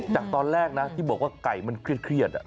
จากตอนแรกนะที่บอกว่าไก่มันเครียด